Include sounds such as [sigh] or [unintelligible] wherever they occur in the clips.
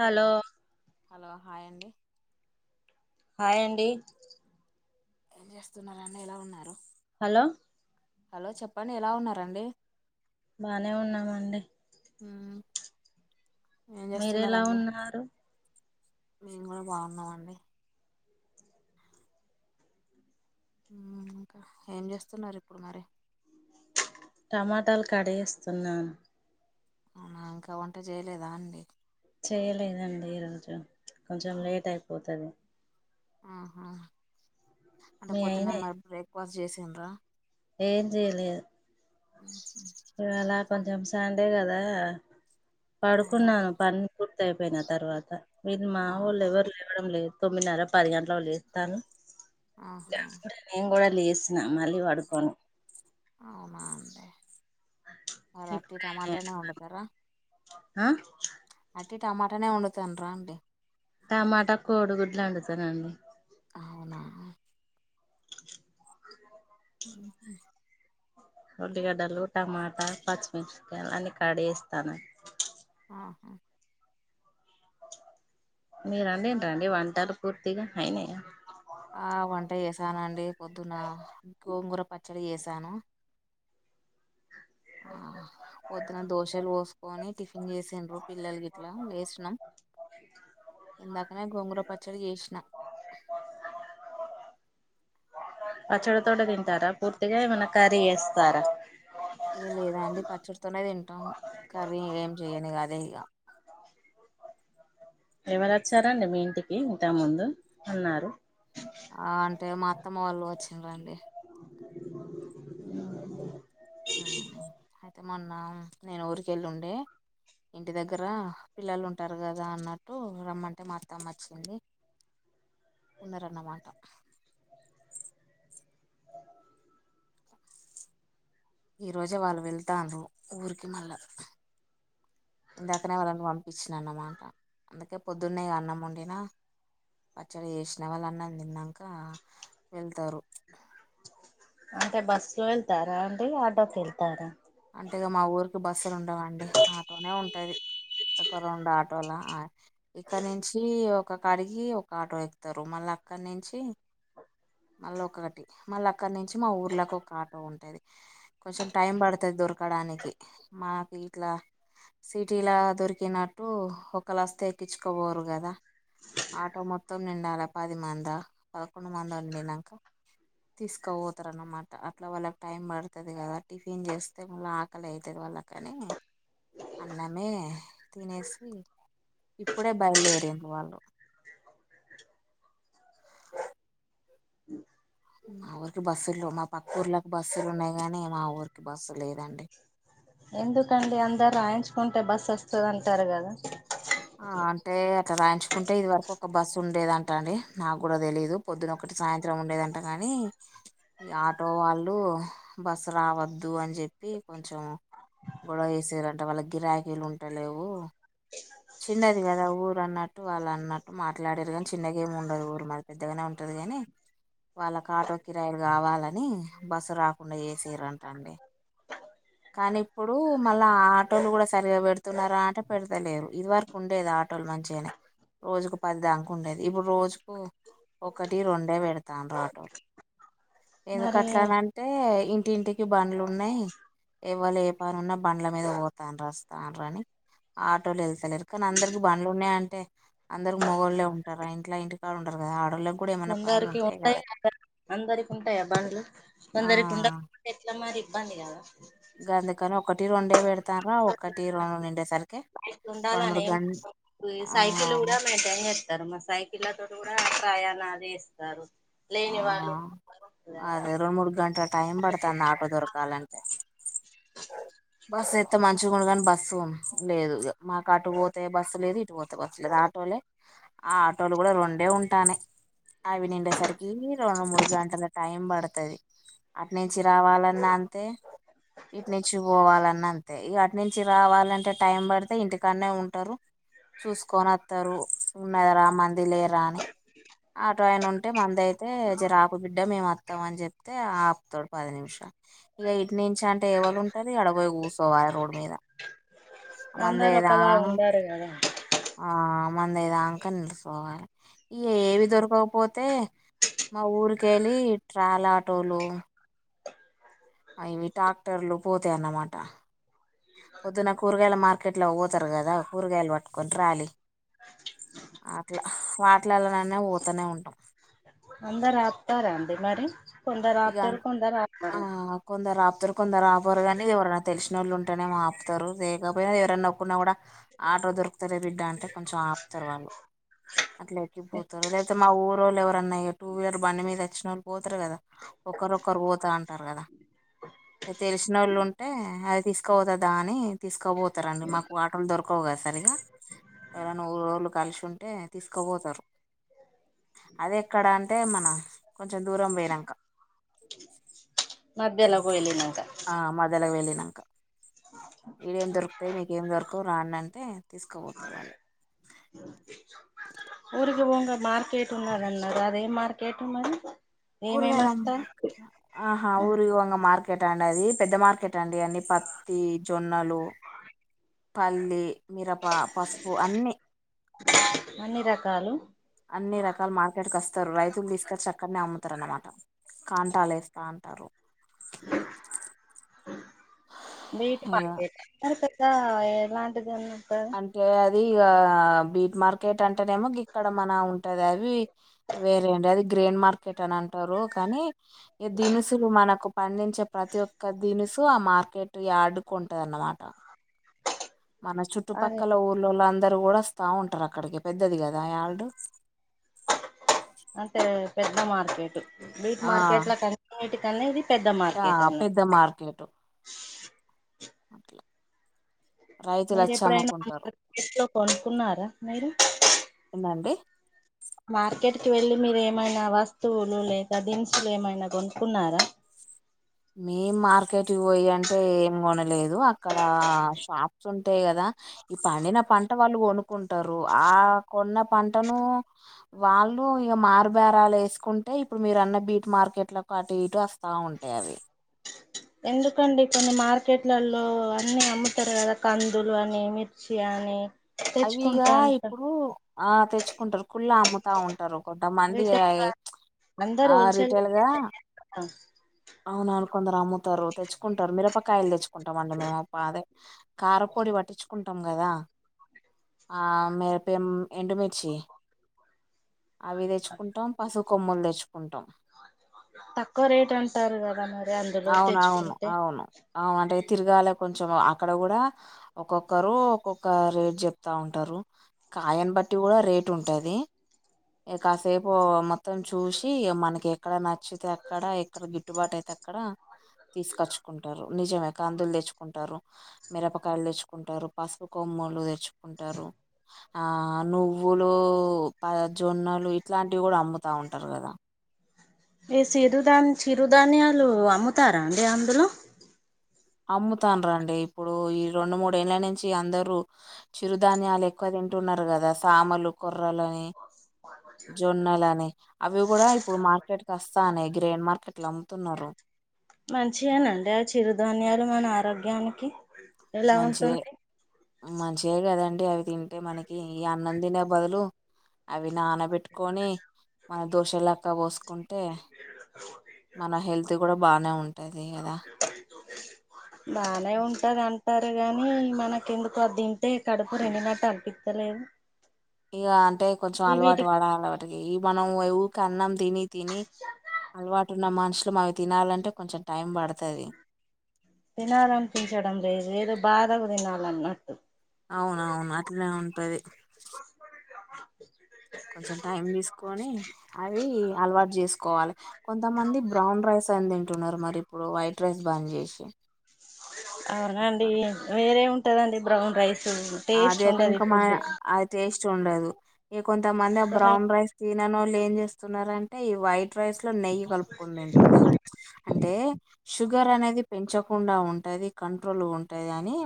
hello hello hi అండి hi అండి ఏం చేస్తున్నారండి ఏలా ఉన్నారు హలో హలో చెప్పండి ఎలా ఉన్నరండి బానే ఉన్నామండి ఉ మీరు ఎలా ఉన్నారు మేము కూడా బాగున్నామండి ఇంకా ఏం చేస్తున్నారు ఇప్పుడు మరి టమాటాలు కడి చేస్తున్నాను అ ఇంకా వంట చేయలేదా అండి చేయలేదండి ఈరోజు కొంచెం లేట్ అయిపోతది ఆహా అంటే మీ పొద్దున్న అయినా మరి బ్రేక్ఫాస్ట్ చేసిండ్ర ఏం చేయలేదు ఆ ఇవళ కొంచెం సండే కదా అవునా పడుకున్నాను పని పూర్తి అయిపోయిన తర్వాత మీరు మా వోళ్ళు ఎవరు లేదు తొమ్మిదిన్నర పది గంటలకు లేస్తాలు ఆహా నేను కూడా లేసినా మళ్ళీ పడుకోను అవునా అండి మరి అట్టి ఇప్పుడే టమాటానే వండుతారా ఆ అట్టి టమాటానే వండుతంర అండి టమాటా కోడిగుడ్లు వండుతానండి అవునా ఉ ఉల్లిగడ్డలు టమాటా పచ్చిమిరపాకాయలు అన్ని కడి చేస్తాన ఆహా మీరు అండిన్ర అండి వంటలు పూర్తిగా అయినాయా ఆ వంట చేసాను అండి పొద్దున్న గోంగూర పచ్చడి చేసాను ఏ పోద్దున దోశలు పోసుకొని టిఫిన్ చేసిండ్రు పిల్లలు గిట్ల లేసినం ఇందాకనే గోంగుర పచ్చడి చేసిన పచ్చడ తోటె తింటారా పూర్తిగా ఏమన్నా కర్రీ చేస్తారా ఏ లేదండి పచ్చడితోనే తింటాము కర్రీ ఏం చెయను ఇగ అదే ఇగ ఎవరు వచ్చారండి మీ ఇంటికి ఇంత ముందు అన్నారు ఆ అంటే మా అత్తమ్మ వాళ్ళు వచ్చిరండి అయితే మొన్న నేను ఊరికేళ్ళి ఉండే ఇంటి దగ్గర పిల్లలు ఉంటారు కదా అన్నట్టు రమ్మంటే మా అత్తమ్మ మచ్చింది ఉన్నరన్నమాట ఈ రోజే వాళ్ళు వెళ్తను ఊరికి మళ్ళా ఇందాకనే వాళ్ళని పంపించినన్నమాట అందుకే పొద్దున్నే ఇగ అన్నం వండినా పచ్చడి చేసిన వాళ్ళన్నం తిన్నాక వెళ్తారు అంటే బస్సు లో వెళ్తారా అంటడి ఆటోకి వెళ్తారా అంటిగా మా ఊరికి బస్సులు ఉండవండి ఆటోనే ఉంటది ఒక రెండు ఆటోలా ఇక్కడ నుంచి ఒక కాడికి ఒక ఆటో ఎక్తారు మళ్ళ అక్కడి నుంచి మళ్ళీ ఒకటి మళ్ళీ అక్కడి నుంచి మా ఊర్లోకి ఒక ఆటో ఉంటేది కొంచెం టైం పడు తది దొరకడానికి మాకు ఇట్లా సిటీలా దొరికినట్టు ఒకలోస్తే ఎక్కించుకపోరు కదా ఆటో మొత్తం నిండాలా పది మంద పదకొండు మందో నిండినంక తీసుక పోతారునమాట అట్లా వాళ్ళకి టైం పడుతది కదా టిఫిన్ చేస్ మళ్ళ ఆకలి అవుతది కాద వాళ్ళకని అన్నమే తినేసి ఇప్పుడే బయలుదేరింది వాళ్ళు మా ఊరికి బస్సులు మా పక్క ఊర్ళకి బస్సులు ఉన్నాయి కానీ మా ఊరికి బస్సు లేదండి ఎందుకండి అందరు రాయించుకుంటే బస్ వస్తుందంటారు కదా ఆ అంటే అట్లా రాయించుకుంటే ఇది వరకు ఒక బస్సు ఉండేది అంటా అండి నాకు కూడా తెలిదు పొద్దున్న ఒకటి సాయంత్రం ఉండేదంట కాని ఈ ఆటో వాళ్ళు బస్సు రావద్దు అని చెప్పి ప్పి కొంచెం గొడవ వేసారంట వాళ్ళకి గిరాకీలు ఉంటలేవు చిన్నది కదా ఊరు అన్నట్టు వాళ్ళు అన్నట్టు మాట్లాడారు కానీ చిన్నగా ఏమి ఉండదు ఊరు మది పెద్దగానే ఉంటది కని వాళ్ళకి ఆటో కిరాయలు కావాలని బస్సు రాకుండా చేసరంటండి కానీ ఇప్పుడు మళ్ళా ఆ ఆటోలు కూడా సరిగా పెడుతున్నార ఆంటే పెడుతలేరు ఇది వరకు ఉండేది ఆటోలు మంచిగానే రోజుకు పది దాక ఉండేది ఇప్పుడు రోజుకు ఒకటి రెండే పెడుతండ్రు ఆటోలు మరి ఎందుకట్లానంటే ఇంటింటికి బండ్లు ఉన్నాయి ఎవాళ్ళు ఏ పనున్నా బండ్ల మీద పోతాళ్ళు రాస్తాండ్రు అని ఆటోలు వెళ్ స్తలేరు కాని అందరికి బండ్లు ఉన్నాయ అంటే అందరికి మొగోళ్లే ఉంటార ఇంట్ల ఇంటికడ ఉంటారు కదా ఆడోళ్ళే కొందరికి ఉంటాయి అందరికి ఉంటాయా బండ్లు ఆ కొందరికి ఉండ అంటే ఎట్లా మరి ఇబ్బంది కదా తారా ఒకటి రెండు నిండేసరికే ఉండాలని ఎం సైకిల్ళ్ళు కూడా మే తారు మా సైకిల్లతో కూడా ప్రయాణలు చేస్తారు ఆ లేని వాళ్ళు కదా అదే రెండు మూడు గంటల టైం పడుతాంది ఆటో దొరకాలంటే బస్సు ఎతే మంచిగుండు కాని బస్సు లేదు మాకు అటు పోతే బస్సు లేదు ఇటు పోతే బస్సు లేదు ఆటో టోలే ఆ ఆటోలు కూడా రెండే ఉంటానయి అవి నిండేసరికి రెండు మూడు గంటల టైం పడుతది అటు నుంచి రావాలన్నా అంతే ఇటు నుంచి పోవాలన్న అంతే వాటి నుంచి రావాలంటే టైం పడితే ఇంటికన్నే ఉంటారు చూసుకొనస్తరు ఉన్నరా మంది లేరాని ఆటో ఆయిన ఉంటే మంది అయితే అ జరాపు ఇగ మేము వస్తాం అని చెప్తే ఆతాడు పది నిమిషాలు ఇగ ఇటి నుంచి అంటే ఎవల్ ఉంటారు అడ పోయి కు కూసోవాల రోడ్ మీద అందరూ ఒకలా మందయ్యేదాంక ఉండారు గదా మంది అయ్యేదాంకా నిల్చోవాలి ఏవీ దొరకపోతే మా ఊరికి కేలి ట్రాల్ ఆటోలు అవి ట్రాక్టర్లు పోతాయి అన్నమాట పొద్దున కూరగాయల మార్కెట్లోకి పోతారు కదా కూరగాయలు పట్టుకొని ట్రాలీ అట్లా వాటిలనైనా పోతానే ఉంటాం అందరూ ఆపుతారా అండి మరి కొందరు ఇగ ఆపుతారు కొందరు ఆ ఆపరు కొందరు ఆపుతారు కొందరు ఆపరు గానీ ఎవరన్నా తెలిసినోళ్ళుం టనేమో ఆపుతారు లేకపోయినా ఎవరన్నా ఒక్కున్నా కూడా ఆటో దొరుకుతలే బిడ్డ అంటే కొంచెం ఆపుతారు వాళ్ళు అట్లా ఎక్కి పోతారు లేకపోతే మా ఊరోళ్ళు ఎవరన్నాయో టూ వీలర్ బండి మీద వచ్చిన వాళ్ళు పోతారు గదా తెలిసినోళ్ళు ఉంటే అది తీసుకోపోతా దా అని తీసుకబో తరండి మాకు ఆటోలు దొరు క్కువగా సరిగా అలా నువ్వు [unintelligible] కలిసి ఉంటే తీసుకోబోతారు అదెక్కడ అంటే మనం కొంచెం దూరం పోయినంక మధ్యలో పోయలినాక ఆ మధ్యల వెళ్లినా ఈడేం దొరుకుతాయి మీకేం దొరకవు రాండి అంటే తీస్కోపోతారు వాళ్ళు [unintelligible] గుండా మార్కెట్ ఉన్నాదన్నారు గా అదేం మార్కెట్ మీరి ఆహా ఊరిగా ఉన్న మార్కెట్ ఆ అండి అది పెద్ద మార్కె ట్టండి అన్నీ పత్తి జొన్నలు పల్లి మిరప పసుపు అన్నీ అన్ని రకాలు అన్నీ రకాలు మార్కెట్ కస్తారు రైతులు తీసుకచ్చి అక్కడనే అమ్ముతారు అనమాట కాంటాలేస్తాన్ నీటి అద పంటే [inaudible] కా ఎలాంటిదన్నా అంతే ది ఇగ బీట్ మార్కెట్ అంటేనేమో గిక్కడ మన ఉంటది అవి వేరే [unintelligible] గ్రెయిన్ మార్కెట్ అని అన్ టారు కానీ ఈ దినుసులు మనకు పండించే ప్రతి ఒక్క దినుసు టు ఆ మార్కెట్ యార్డుకు ఉంటది అన్నమాట మన అది చుట్టుపక్కల ఊళ్ళోళ్ళం దరూ గూడా వస్తా ఉంటారు అక్కడికి పెద్దది గదా యార్డు అంటే పెద్ద మార్కెట్ బీట్ ఆ మార్కెట్లకు అన్నిటికన్నా ఇది పెద్ద ఆ మార్కెట్ పెద్ద అన్నట్టు మార్కెట్ అట్లా రైతులు మీరు వచ్చి ఎప్పుడైనా అమ్ముకుంటారు [unintelligible] కొనుక్కున్నారా మీరు ఏందండి మార్కెట్ కి వెళ్ళి మీరు ఏమైనా వస్తువులు లేక దినుసులు ఏమైనా కొనుక్కున్నారా మేం మార్కెట్టుకు పొయ్యి అంటే ఏం కొనలేదు అక్కడ షాప్స్ ఉంటాయి కదా ఈ పండిన పంట వాళ్ళు కొనుక్కుంటారు ఆ కొన్న పంటను వాళ్ ళ్ళు ఇగ మారుబేరాలు ఏసుకుంటే ఇప్పుడు మీరు అన్న బీట్ మార్కెట్లకు అటు ఇటు వస్తా ఉంటాయి అవి ఎందుకండి కొన్ని మార్కెట్లలో అన్నీ అమ్ము తరు గదా కందులు అని మిర్చి అని అవి ఇగ తెచ్చుకుంటా అంటారు ఎప్పుడు ఆ తెచ్చుకుంటారు కుళ్ళా అమ్ముతా ఉం కొంతమంది రిటైల్ అందరు ఆ హోల్సేల్ రిటైల్గా అవునవును కొందరు అమ్ముతారు తెచ్చుకో మిరపకాయలు తెచ్చుకుంటాం అండి మేము అదే కార పొడి పట్టించుకుంటాం కదా ఆ మిరప ఎండుమిర్చి అవి తెచ్చుకుంటాం పసుపు కొమ్ములు తెచ్చుకుంటాం తక్కువ రేట్ అంటారు కదా మరి అందులో అవును అవును తెచ్చుకుంటే అవును అంటే తిరగాలే కొంచెం అక్కడ కూడ ఒక్కొక్కరు ఒక్కొక్క రేట్ చెప్త ఉంటారు కాయన్ బ బట్టి కూడ రేట్ ఉంటాది కాసేపు మొత్తం చూసి మనకి ఎక్కడ న చ్చతే అక్కడ ఎక్కడ గిట్టుబాటు అయితే అక్కడ తీసుకొచ్చుకుంటారు నిజమే కాందులు తెచ్చుకుంటారు మిరపకాయలు తెచ్చుకుంటారు పసుపు కొమ్ములు తెచ్ కుంటారు ఆ నువ్వులు జొన్నలు ఇట్లాంటివి కూడ అమ్ముత ఉంటారు కదా ఈ చిరు చిరుధాన్యాలు అమ్ముతార అండి అందులో అమ్ముతండ్రు అండి ఇప్పుడు ఈ రెండు మూడేళ్ల నుంచి అందరూ చిరుధాన్యాలు ఎక్కువ కుంటున్నారు కదా సామలు కొర్రలని జొన్నల అని అవి కూడ ఇప్పుడు మార్కెట్కి వస్తా అని గ్రైయిన్ మార్కెట్లు అమ్ముతున్నారు మంచివే నండి ఆ చిరుధాన్యాలు మన ఆరోగ్యానికి ఎలా ఉంటుంది మంచిదే కదండి అవి తింటే మనకి ఈ అన్నం తినే బదులు అవి నానబెట్ కొని మన దోషలెక్క పోసుకుంటే మన హెల్త్ కూడ బానే ఉంటది కదా బానే అట్లా ఉంటది అం టారు గాని మనకు ఎందుకో అది తింటే కడుపు నిండినట్టు అనిపితలేదు ఇగ అంటే కొంచెం అలవాటు పడాలి వాటికి మనం ఊరికి అన్న తిని తిని అలవాటు ఉన్న మనుషులు అవి తినాలంటే కొంచెం టైం పడుతది తినాలనిపించడం లేదు ఏదో బాధ [unintelligible] తినాలన్నట్టు అవునవును అట్నే ఉంటది కొంచెం టైం తీసుకొని అవి అలవాటు చేసుకోవాలి అంటున్నారు మరి ఇప్పుడు వైట్ రైస్ బాంద్ చేసి అట్లా అవునండి వేరే ఉంటదండి బ్రౌన్ రైస్ టేస్ట్ అదే ఉండది ఫుడ్ [unintelligible] డదు ఈ కొంతమంది ఆ బ్రౌన్ రైస్ తినని ఒళ్ళు ఏం చేస్తున్నారంటే ఈ వైట్ రైస్ లో నెయ్యి కలుపుకొని తింటున్నారు అంటే షుగర్ అనేది పెంచ కుండా ఉంటంది కంట్రోల్ ఉంటాది అని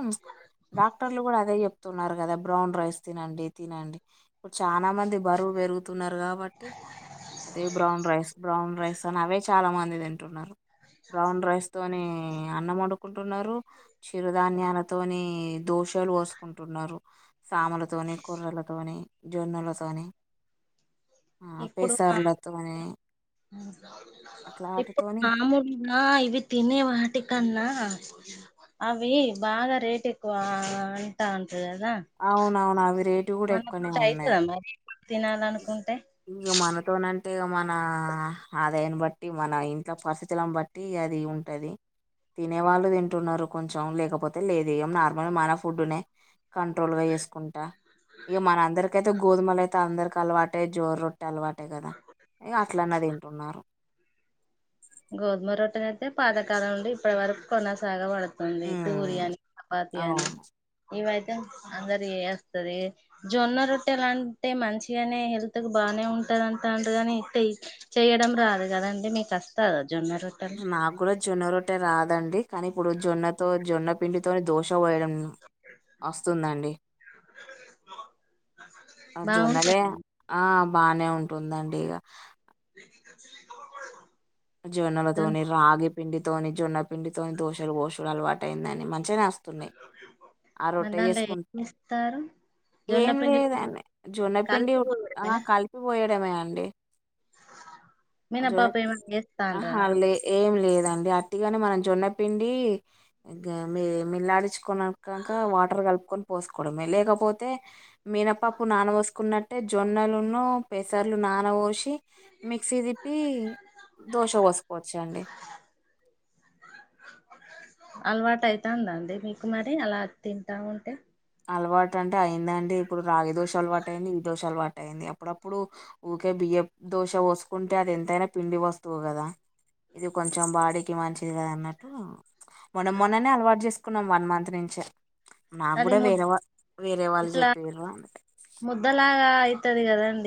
డాక్టర్లు కూడ అదే చెప్ స్తున్నారు కదా బ్రౌన్ రైస్ తినండి తినండి ఇప్పుడు చాలా మంది బరువు పెరుగుతున్నారు కాబట్టి అదే బ్రౌన్ రైస్ బ్రౌన్ రైస్ అని అవే చాల మంది తింటున్నారు బ్రౌన్ రైస్ తోని అన్నం వండుకుంటున్నారు చిరుధాన్యాలతోని దోషలు కుంటున్నారు సాములతోని కూర్రలతోని జొన్నలతోని ఆ పేసరుల తోనే ఇప్పు ఆటితోని మాముూలు ఇవి తినే వాటికాన్న అవి బాగ రేట్ ఎక్కువా అంట అవునవును అవి రేటు కూడ మన ఎక్కువనే పూట ఉన్నాయి అయితదా మరి తినాలనుకుంటే ఇగ మన [unintelligible] అత్తేగా మన ఆదాయాన్ని బట్టి మన ఇంట్లో పరిస్థితులలను బట్టి అది ఉంటది తినే వాళ్ళు తింటున్నారు కొంచెం లేకపోతే లేదు ఏమ్ నార్మల్ మన ఫుడ్డునే కంట్రోల్ గా చేసుకుంటా ఇక మన అందరికయితే గోధుమలు అయి త అందరికి అలవాటే జోర రొట్టే అలవాటే కదా ఇగ అట్లనే తింటున్నారు జొన్న రొట్టెనయితే పాతకాలం నుండి ఇప్పటి వరకు కొన్నాసాగ పడతుంది ఉంది పూరి ఉమ్ అని చపాతి అని అవును ఇవయితే తే అందరి ఏస్తది జొన్న రొట్టెలంటే మంచిగానే హెల్త్ కు బానే ఉంట ఇత్తరంతండు గాని ఇత్తే చెయ్యడం రాదు కదండి మీకు కస్ నా కూడా జొన్న రొట్టే రాదు దండి కానీ ఇప్పుడు జొన్నతో జొన్న పిండితో దోశ పోయడం వస్తుందండి ఆ బాగుంటాయి జొన్నలే ఆ బానే ఉంటుందండి ఇగ లేకి కచ్చి కబ పడే జొన్నల తోని రాగి పిండి తోని జొన్నపిండితోని దోశలు పోసుడు అలవాటు అయిందండి మంచిగనే అస్తున్నాయి మరి దానిలో ఏం ఇస్తారు ఏం లేదండి జొన్నపిండి కలిపి ఆ పోయడమేనా కలిపిపోయడమే అండి మినపప్పు జొన్నపిండి ఏమన్నా చేస్తాండ్రా ఆహా లే ఏం లేదండి అట్టిగాని మనం జొన్నపిండి గ మిల్లాడిచుకున్నాక వాటర్ క ఉక్కొని పోసుకోవడమే లేకపోతే మీనపప్పు నాన బోసుకున్నట్టే జొన్నలు పెసల్ పర్లు నానబోసి మిక్సీ తిప్పి కీ దోశ పోస్కొచండి అలవాటు అయితాంద అండి మీకు మరి అలా తింటా ఉంటే అలవాటు అంటే అయిందండి ఇప్పుడు రాగి దోశ అలవాటు అయింది ఈ దోశ అలవాటు అయింది అప్పుడప్పుడు ఊకే బి ఇగ దోశ పోసుకుంటే అది ఎంతైనా పిండి వస్తువు కదా ఇది కొంచెం బాడీకి మంచిది కాదు అన్నట్టు మొన్న మొన్ననే అలవాటు చేసుకున్నాం వన్ మంత్ నుంచే నాకు అది కూడా ము వేరే వా వేరే వాళ్ళు ఇట్లా చెప్పిర్రు ఉంటది కదండి